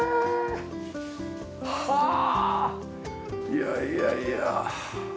いやいやいや。